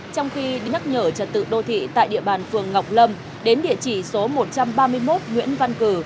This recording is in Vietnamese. trong khi nhắc nhở trật tự đô thị tại địa bàn phường ngọc lâm đến địa chỉ số một trăm ba mươi một nguyễn văn cử